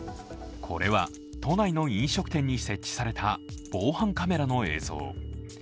これは都内の飲食店に設置された防犯カメラの映像。